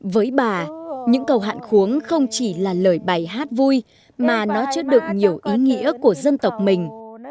với bà những câu hạn khuống không chỉ là lời bài hát vui mà nó chứa được nhiều ý nghĩa của dân tộc mình